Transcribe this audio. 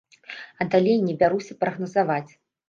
А далей не бяруся прагназаваць.